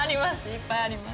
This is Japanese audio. いっぱいあります。